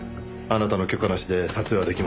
あなたの許可なしで撮影は出来ません。